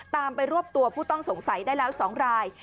ตามไปรวบตัวผู้ต้องสงสัยได้แล้ว๒ราย